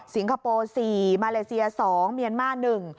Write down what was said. สิงคโปร์๔ลำมาเลเซีย๒ลำเมียนม่า๑ลำ